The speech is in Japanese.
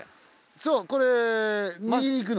そうこれ右に行くの。